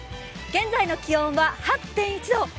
現在の気温は８．１度。